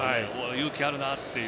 勇気あるなっていう。